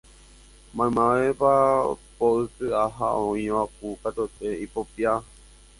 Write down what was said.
Maymavéva po ikyʼa ha oĩva kũ katuete ipopĩa.